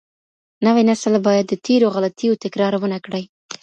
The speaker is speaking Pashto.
نوی نسل باید د تېرو غلطیو تکرار ونه کړي.